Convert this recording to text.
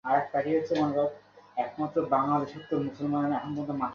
ইংল্যান্ডে ফেরার পর কথা দিচ্ছি আমি স্বয়ং নিজে গিয়ে ওকে বোঝাবো।